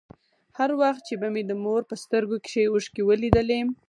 هر وخت چې به مې د مور په سترگو کښې اوښکې ولېدې.